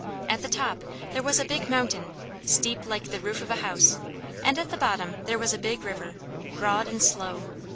At the top there was a big mountain, steep like the roof of a house, and at the bottom there was a big river, broad and slow.